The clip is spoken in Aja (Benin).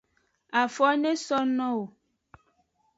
Afo ne so no wo.